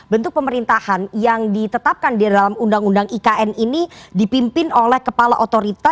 bentuk pemerintahan yang ditetapkan di dalam undang undang ikn ini dipimpin oleh kepala otorita